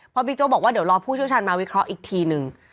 พอบิ๊กโจ๊กบอกว่าเดี๋ยวรอผู้ช่วยฉันมาวิเคราะห์อีกทีนึง